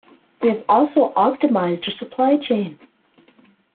We have also optimised our supply chain.